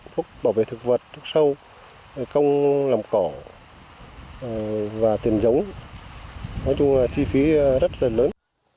thuốc bảo vệ thực vật thuốc sâu không làm cỏ và tiền giống nói chung là chi phí rất là lớn